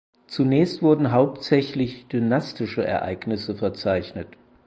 Zunächst wurden hauptsächlich dynastische Ereignisse verzeichnet.